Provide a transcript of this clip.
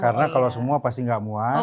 karena kalau semua pasti enggak muat